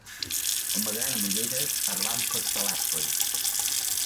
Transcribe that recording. Home gran amb ulleres parlant per telèfon.